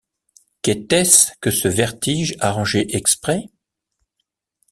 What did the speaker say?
Qu’était-ce que ce vertige arrangé exprès?